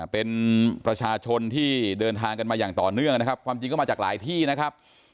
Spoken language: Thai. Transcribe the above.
เป็นประชาชนที่เดินทางกันมาอย่างต่อเนื่องนะครับความจริงก็มาจากหลายที่นะครับ